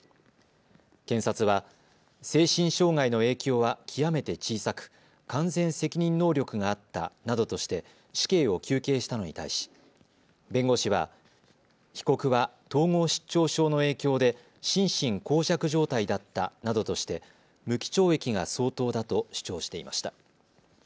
検察は精神障害の影響は極めて小さく完全責任能力があったなどとして死刑を求刑したのに対し弁護士は被告は統合失調症の影響で心神耗弱状態だったなどとして無期懲役が相当だと主張していました。